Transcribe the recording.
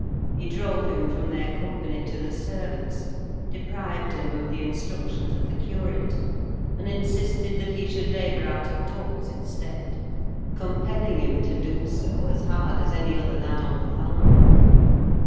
He drove him from their company to the servants, deprived him of the instructions of the curate, and insisted that he should labour out of doors instead; compelling him to do so as hard as any other lad on the farm.